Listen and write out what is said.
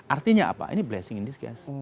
artinya apa ini blessing in disguse